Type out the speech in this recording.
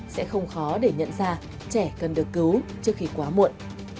sẽ không khó để nhận ra trẻ cần được cứu trước khi quá muộn